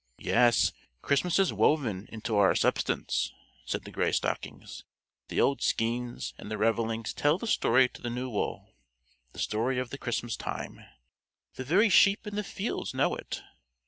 "Yes; Christmas is woven into our very substance," said the Gray Stockings. "The old skeins and the ravellings tell the story to the new wool, the story of the Christmas time. The very sheep in the fields know it.